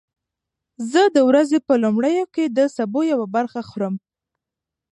زه د ورځې په لومړیو کې د سبو یوه برخه خورم.